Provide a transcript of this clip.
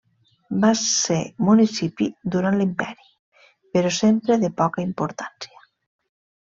Va ser municipi durant l'imperi, però sempre de poca importància.